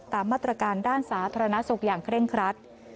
ตามมาตรการด้านสาธารณสุขอย่างเคร่งครัด